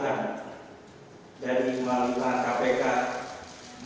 dari melalui tangan kpk melalui tangan peneran dan tipikor ini